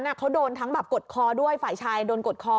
เขาโดนทั้งแบบกดคอด้วยฝ่ายชายโดนกดคอ